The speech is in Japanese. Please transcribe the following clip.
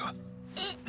えっ。